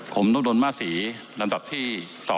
ผมต้มประดนมาสีลำดับที่๒๖๐